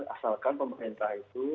asalkan pemerintah itu